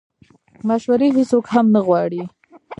مشورې هیڅوک هم نه غواړي